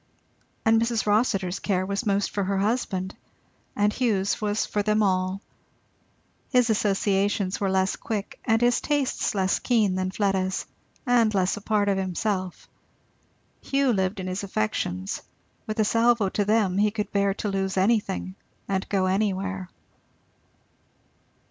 And Mrs. Rossitur's care was most for her husband; and Hugh's was for them all. His associations were less quick and his tastes less keen than Fleda's and less a part of himself. Hugh lived in his affections; with a salvo to them, he could bear to lose anything and go anywhere.